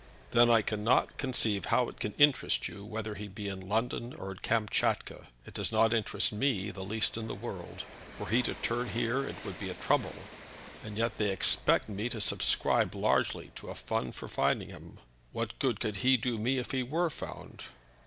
"Then I cannot conceive how it can interest you whether he be in London or Kamtchatka. It does not interest me the least in the world. Were he to turn up here it would be a trouble; and yet they expect me to subscribe largely to a fund for finding him. What good could he do me if he were found?"